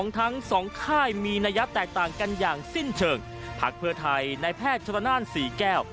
ทั้งสองค่ายมีนัยแตกต่างกันอย่างสิ้นเชิงพักเพื่อไทยในแพทย์ชนนานศรีแก้ว